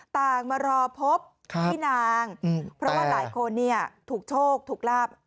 มารอพบพี่นางเพราะว่าหลายคนเนี่ยถูกโชคถูกลาบ